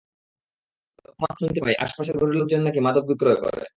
লোক মারফত শুনতে পাই, আশপাশের ঘরের লোকজন নাকি মাদক বিক্রয় করে।